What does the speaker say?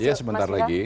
ya sebentar lagi